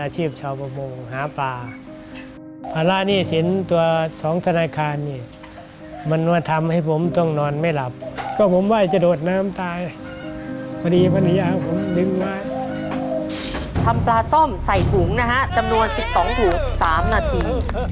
ทำปลาส้มใส่ถุงนะฮะจำนวน๑๒ถุง๓นาที